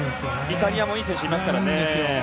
イタリアもいい選手いますからね。